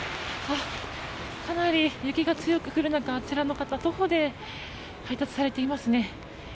かなり雪が強く降る中あちらの方徒歩で配達されていますね。